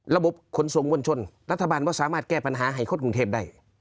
ระบบขนส่งมวลชนรัฐบาลก็สามารถแก้ปัญหาให้คนกรุงเทพได้